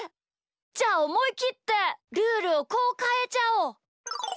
じゃあおもいきってルールをこうかえちゃおう！